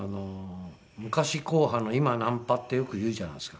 昔硬派の今軟派ってよく言うじゃないですか。